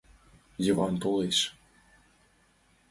Йыван толеш.